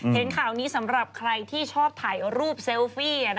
เห็นข่าวนี้สำหรับใครที่ชอบถ่ายรูปเซลฟี่